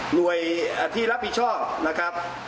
หน่วยที่รับผิดชอบ